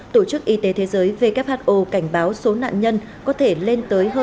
tổ chức y tế thế giới who cảnh báo số nạn nhân có thể lên tới hơn